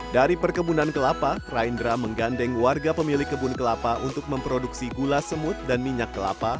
dari perkebunan kelapa raindra menggandeng warga pemilik kebun kelapa untuk memproduksi gula semut dan minyak kelapa